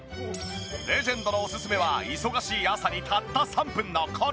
レジェンドのオススメは忙しい朝にたった３分のこれ。